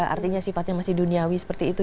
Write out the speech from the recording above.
artinya sifatnya masih duniawi seperti itu